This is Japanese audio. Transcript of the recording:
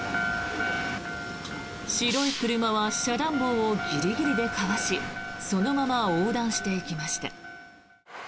白い車は遮断棒をギリギリでかわしそのまま横断していきました。